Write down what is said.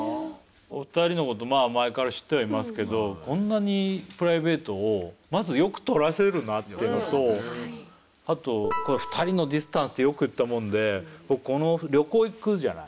お二人のことまあ前から知ってはいますけどこんなにプライベートをまずよく撮らせるなっていうのとあと「ふたりのディスタンス」ってよく言ったもんでこの旅行行くじゃない？